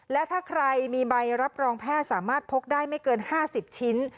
และถ้าใครมีใบรับรองแพทย์สามารถพกได้ไม่เกิน๕๐ชิ้น